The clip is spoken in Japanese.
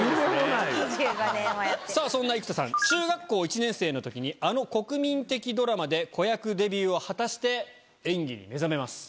中学校１年生のときにあの国民的ドラマで子役デビューを果たして演技に目覚めます。